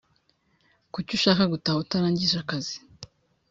Kuki ushaka gutaha utarangije akazi